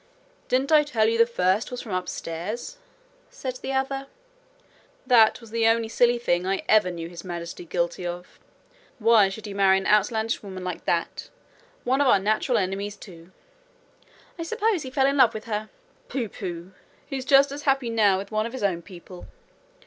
'Didn't I tell you the first was from upstairs?' said the other. 'That was the only silly thing I ever knew His Majesty guilty of. Why should he marry an outlandish woman like that one of our natural enemies too?' 'I suppose he fell in love with her.' 'Pooh! pooh! He's just as happy now with one of his own people.'